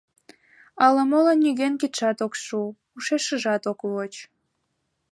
Ала-молан нигӧн кидшат ок шу, ушешыжат ок воч.